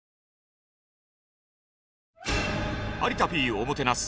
「有田Ｐおもてなす」